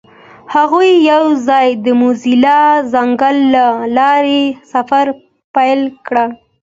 هغوی یوځای د موزون ځنګل له لارې سفر پیل کړ.